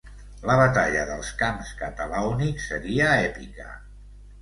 La Batalla dels Camps Catalàunics seria èpica.